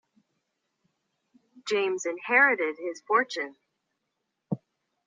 James inherited his fortune.